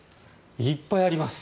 いっぱいあります。